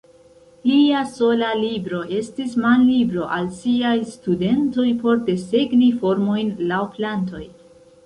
Lia sola libro estis manlibro al siaj studentoj por desegni formojn laŭ plantoj.